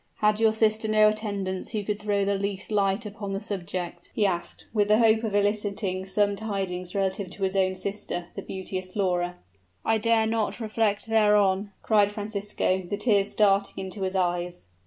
Had your sister no attendants who could throw the least light upon the subject?" he asked, with the hope of eliciting some tidings relative to his own sister, the beauteous Flora. "I dare not reflect thereon!" cried Francisco, the tears starting into his eyes.